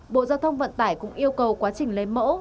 bộ giao thông vận tải cũng yêu cầu quá trình lấy mẫu